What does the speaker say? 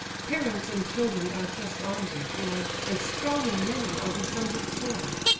Parents and children our just arms employ, And strong and many are the sons of Troy.